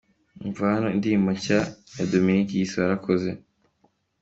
Umva hano indirimbo nshya ya Dominic yise “Warakoze”.